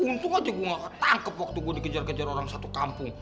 untung aja gue gak ketangkep waktu gue dikejar kejar orang satu kampung